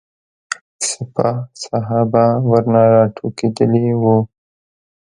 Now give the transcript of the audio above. سپاه صحابه ورنه راټوکېدلي وو.